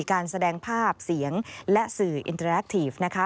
การแสดงภาพเสียงและสื่ออินเตอร์แลคทีฟนะคะ